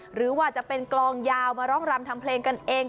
หรือว่าจะเป็นกลองยาวมาร้องรำทำเพลงกันเอง